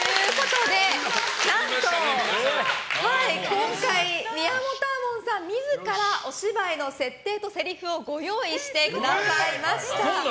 今回、宮本亞門さん自らお芝居の設定とせりふをご用意してくださいました。